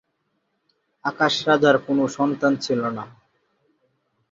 আকাশ রাজার কোন সন্তান ছিল না।